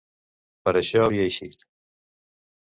Per això havia eixit.